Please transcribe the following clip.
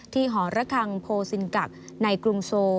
หอระคังโพซินกักในกรุงโซ